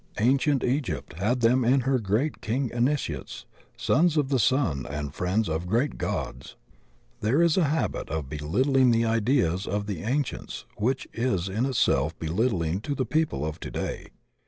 Ancient Egypt had them in her great king Initiates, sons of the sun and friends of great gods. There is a habit of belittling the ideas of the ancients which is in itself belitding to the people of today.